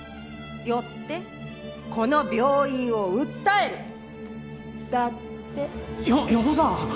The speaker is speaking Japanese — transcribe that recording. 「よってこの病院を訴える」だって。よ四方さん！